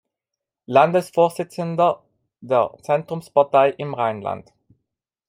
Landesvorsitzender der Zentrumspartei im Rheinland.